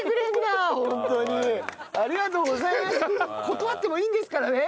断ってもいいんですからね